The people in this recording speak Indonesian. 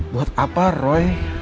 buat apa roy